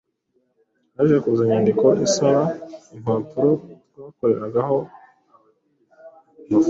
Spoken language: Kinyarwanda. Haje kuza inyandiko isaba impapuro twakoreragaho amafoto